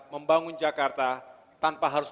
membangun jakarta tanpa harus